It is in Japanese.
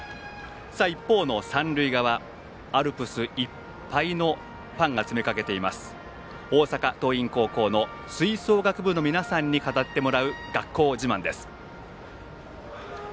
一方、三塁側アルプスいっぱいのファンが詰め掛けています大阪桐蔭高校の吹奏楽部の皆さんに語ってもらう学校自慢です。